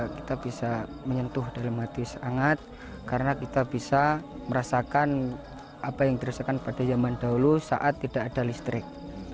kita bisa menyentuh dalam hati sangat karena kita bisa merasakan apa yang dirasakan pada zaman dahulu saat tidak ada listrik